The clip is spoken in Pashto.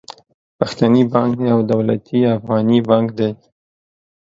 پښتني بانک يو دولتي افغاني بانک دي.